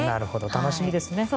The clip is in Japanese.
楽しみですね。